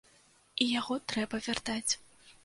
І яго трэба вяртаць.